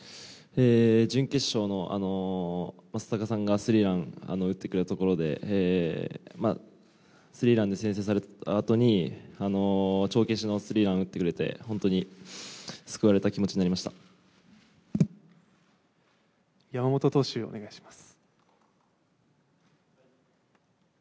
準決勝の正尚さんがスリーランを打ってくれたところで、スリーランで先制されたあとに、帳消しのスリーランを打ってくれて、本当に救われた気持ちになり山本投手、お願いします。